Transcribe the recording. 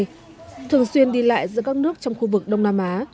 bệnh nhân này thường xuyên đi lại giữa các nước trong khu vực đông nam á